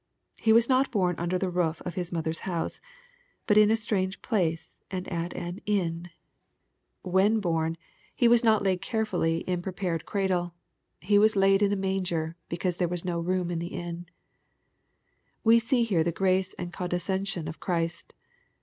He was not born under the roof of His mother's house, but in a strange place, and at an " inn." When 52 EXPOSITOBY THOUGHTS. born, He was not laid in a carefully prepared cradlei. He was " laid in a manger, because there was no room in the inn/' We see here the grace and condescension of Christ.